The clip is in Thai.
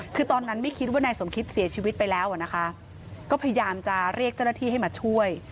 คือตอนนั้นไม่คิดว่านายสมคิตเสียชีวิตไปแล้วอ่ะนะคะก็พยายามจะเรียกเจ้าหน้าที่ให้มาช่วย